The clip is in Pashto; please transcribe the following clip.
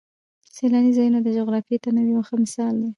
سیلاني ځایونه د جغرافیوي تنوع یو ښه مثال دی.